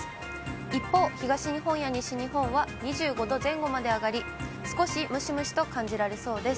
一方、東日本や西日本は２５度前後まで上がり、少しムシムシと感じられそうです。